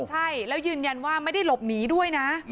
ใช่แล้วยืนยันว่าไม่ได้หลบหนีด้วยนะ